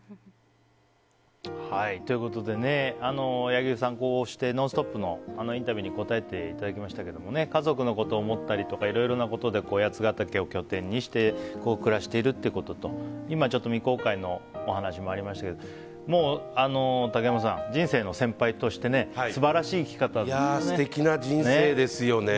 柳生さん、こうして「ノンストップ！」のインタビューに答えていただきましたけども家族のことを思ったりとかいろいろなことで八ケ岳を拠点にして暮らしてるってことと今、未公開のお話もありましたけど竹山さん、人生の先輩としてね素晴らしい生き方ですね。